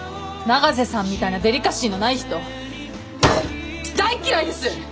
永瀬さんみたいなデリカシーのない人大っ嫌いです！